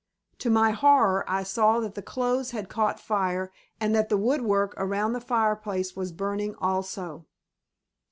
To my horror I saw that the clothes had caught fire and that the wood work around the fireplace was burning also.